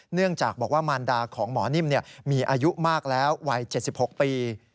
เนื่องจากบอกว่ามารดาของหมอนิ่มมีอายุมากแล้ววัย๗๖ปี